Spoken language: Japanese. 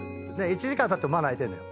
１時間たってもまだ泣いてんのよ。